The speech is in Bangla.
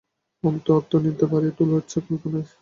অন্তু, আত্মনিন্দা বাড়িয়ে তুলছ কল্পনায়।